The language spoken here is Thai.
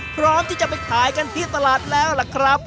พร้อมที่จะไปขายกันที่ตลาดแล้วล่ะครับ